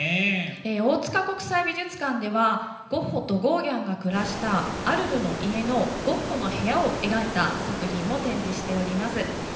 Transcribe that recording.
大塚国際美術館ではゴッホとゴーギャンが暮らしたアルルの家のゴッホの部屋を描いた作品も展示しております。